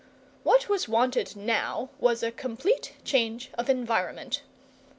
What was wanted now was a complete change of environment.